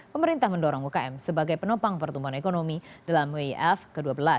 pemerintah mendorong ukm sebagai penopang pertumbuhan ekonomi dalam wif ke dua belas